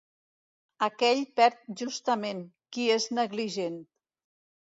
Aquell perd justament, qui és negligent.